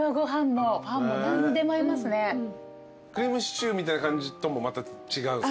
クリームシチューみたいな感じともまた違うんすか？